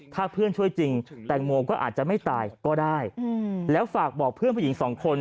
ถ้าเพื่อนช่วยจริงแตงโมก็อาจจะไม่ตายก็ได้แล้วฝากบอกเพื่อนผู้หญิงสองคน